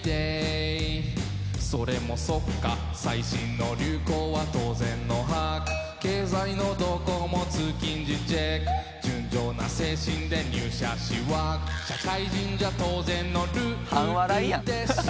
「それもそっか最新の流行は当然の把握」「経済の動向も通勤時チェック」「純情な精神で入社しワーク」「社会人じゃ当然のルールです」